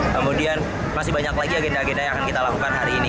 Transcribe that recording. kemudian masih banyak lagi agenda agenda yang akan kita lakukan hari ini